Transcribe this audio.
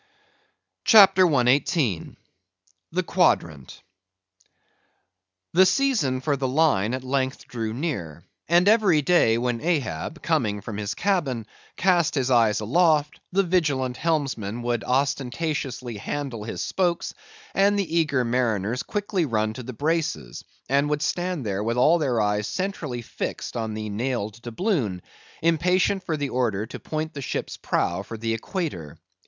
CHAPTER 118. The Quadrant. The season for the Line at length drew near; and every day when Ahab, coming from his cabin, cast his eyes aloft, the vigilant helmsman would ostentatiously handle his spokes, and the eager mariners quickly run to the braces, and would stand there with all their eyes centrally fixed on the nailed doubloon; impatient for the order to point the ship's prow for the equator.